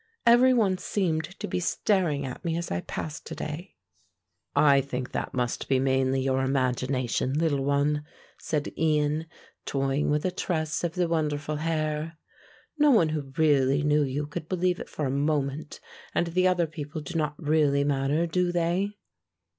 Every one seemed to be staring at me as I passed to day." "I think that must be mainly your imagination, little one," said Ian, toying with a tress of the wonderful hair. "No one who really knew you could believe it for a moment, and the other people do not really matter, do they?"